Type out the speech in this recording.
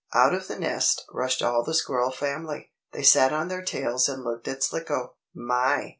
Out of the nest rushed all the Squirrel family. They sat on their tails and looked at Slicko. "My!